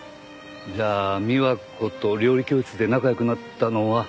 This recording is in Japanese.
じゃあ美和子と料理教室で仲良くなったのは？